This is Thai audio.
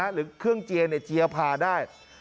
หรือเครื่องเจียในเจียพาได้